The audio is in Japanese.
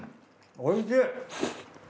おいしい。